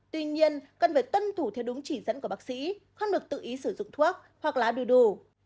tuy nhiên cần phải tuân thủ theo đúng chỉ dẫn của bác sĩ không được tự ý sử dụng thuốc hoặc lá đầy đủ